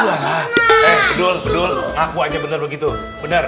eh bedul bedul aku aja bener begitu bener